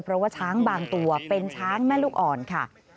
เพราะว่าช้างบางตัวเป็นช้างแม่ลูกอ่อนค่ะ